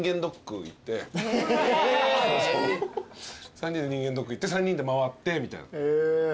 ３人で人間ドック行って３人で回ってみたいな。